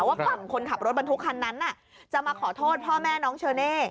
ว่าฝั่งคนขับรถบรรทุกคันนั้นจะมาขอโทษพ่อแม่น้องเชอเน่